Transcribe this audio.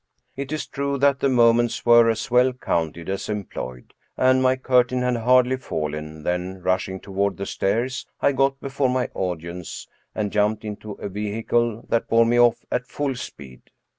It is true that the mo ments were as well counted as employed, and my curtain had hardly fallen than, rushing toward the stairs, I got before my audience, and jumped into a vehicle that bore me off at full speed.